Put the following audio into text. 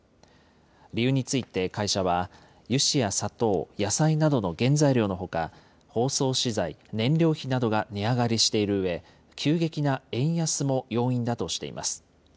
理由について会社は、油脂や砂糖、野菜などの原材料のほか、包装資材、燃料費などが値上がりしているうえ、急激な円安も要因だとしています。